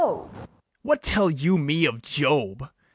What tell you me of Job?